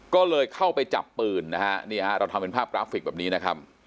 ก็เลยเข้าไปจับปืนนะฮะนี่ฮะเราทำเป็นภาพกราฟิกแบบนี้นะครับ